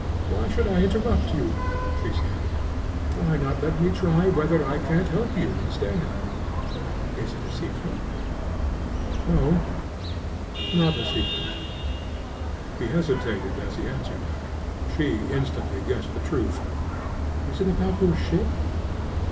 "Why should I interrupt you?" she said. "Why not let me try whether I can't help you instead? Is it a secret?" "No, not a secret." He hesitated as he answered her. She instantly guessed the truth. "Is it about your ship?"